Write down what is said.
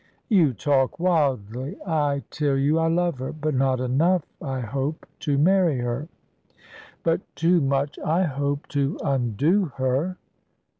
"You talk wildly! I tell you I love her; but not enough, I hope, to marry her." "But too much, I hope, to undo her?"